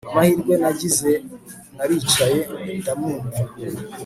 amahirwe nagize naricaye ndamwumva